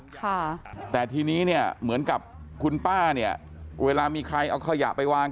ค่ะแต่ทีนี้เนี่ยเหมือนกับคุณป้าเนี่ยเวลามีใครเอาขยะไปวาง